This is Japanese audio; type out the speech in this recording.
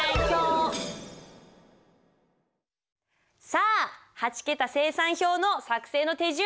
さあ８桁精算表の作成の手順